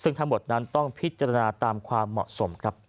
ซึ่งทั้งหมดนั้นต้องพิจารณาตามความเหมาะสมครับ